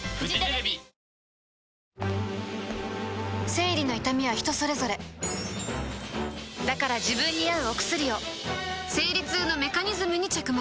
生理の痛みは人それぞれだから自分に合うお薬を生理痛のメカニズムに着目